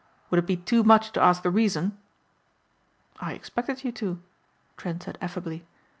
"Would it be too much to ask the reason?" "I expected you to," Trent said affably.